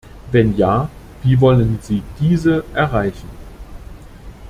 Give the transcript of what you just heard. Wenn ja, wie wollen Sie diese erreichen?